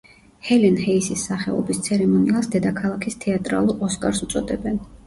ჰელენ ჰეისის სახელობის ცერემონიალს დედაქალაქის თეატრალურ ოსკარს უწოდებენ.